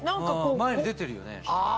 前に出てるよね。